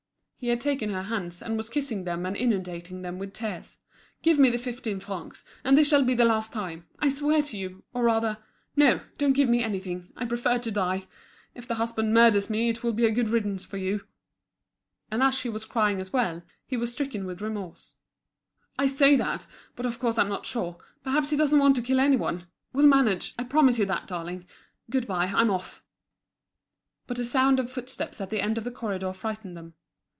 He had taken her hands, and was kissing them and inundating them with tears. "Give me the fifteen francs, and this shall be the last time. I swear to you. Or rather—no!—don't give me anything. I prefer to die. If the husband murders me it will be a good riddance for you." And as she was crying as well, he was stricken with remorse. "I say that, but of course I'm not sure. Perhaps he doesn't want to kill any one. We'll manage. I promise you that, darling. Good bye, I'm off." But a sound of footsteps at the end of the corridor frightened them.